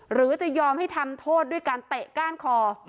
หรือจะยอมให้ทำโทษด้วยการเตะก้านคอ